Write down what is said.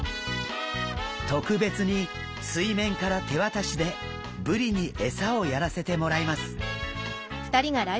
特別に水面から手渡しでブリに餌をやらせてもらいます。